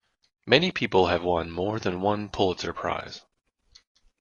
Many people have won more than one Pulitzer Prize.